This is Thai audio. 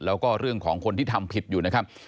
แล้วก็เรื่องของคนที่ทำผิดอยู่นะครับ